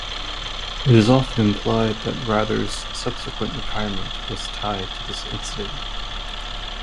It is often implied that Rather's subsequent retirement was tied to this incident.